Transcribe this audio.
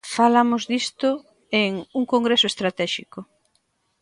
Falamos disto en 'Un congreso estratéxico'.